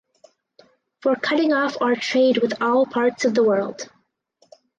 For cutting off our Trade with all parts of the world: